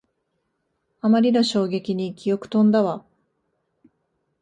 あまりの衝撃に記憶とんだわ